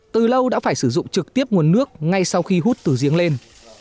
từ lâu đã phải sử dụng trực tiếp nguồn nước ngay sau khi hút từ giếng lên